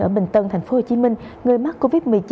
ở bình tân tp hcm người mắc covid một mươi chín